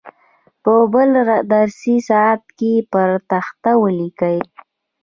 په بل درسي ساعت کې یې پر تخته ولیکئ.